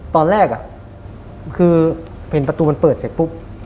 ตอนแรกคือเห็นประตูมันเปิดเสร็จปุ๊บ